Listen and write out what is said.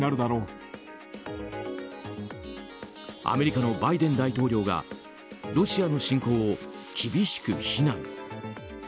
アメリカのバイデン大統領がロシアの侵攻を厳しく非難。